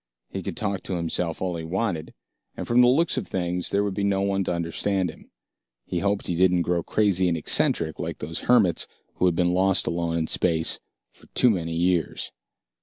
He could talk to himself all he wanted, and from the looks of things, there would be no one to understand him. He hoped he didn't grow crazy and eccentric, like those hermits who had been lost alone in space for too many years.